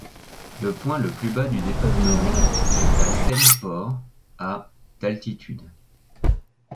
Le point le plus bas du département est à Seine-Port à d'altitude.